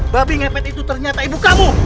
babi ngepet itu ternyata ibu kamu